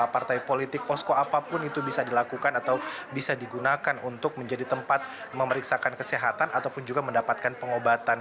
partai politik posko apapun itu bisa dilakukan atau bisa digunakan untuk menjadi tempat memeriksakan kesehatan ataupun juga mendapatkan pengobatan